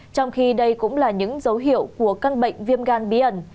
trong khi đây cũng là những dấu hiệu của căn bệnh viêm gan bí ẩn